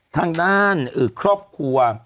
ทางด้านครอบครัว